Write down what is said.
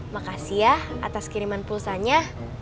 makasih ya atas kiriman pulsanya